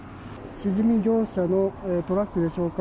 シジミ業者のトラックでしょうか。